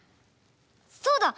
そうだ！